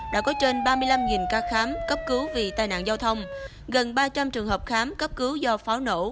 đã có trên ba mươi năm ca khám cấp cứu vì tai nạn giao thông gần ba trăm linh trường hợp khám cấp cứu do pháo nổ